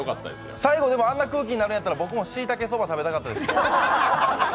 最後あんな空気になるんやったら僕もしいたけそば食べたかったです。